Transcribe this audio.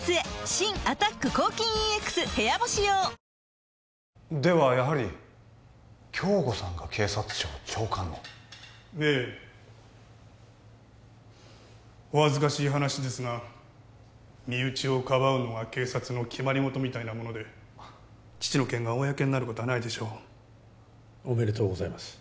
新「アタック抗菌ＥＸ部屋干し用」ではやはり京吾さんが警察庁長官に？ええお恥ずかしい話ですが身内をかばうのが警察の決まり事みたいなもので父の件が公になることはないでしょうおめでとうございます